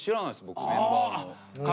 僕メンバーの。